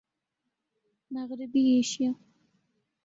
مغربی ایشیا